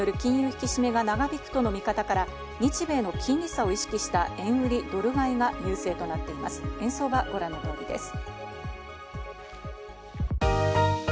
引き締めが長引くとの見方から日米の金利差を意識した円売りドル買いが優勢となっています。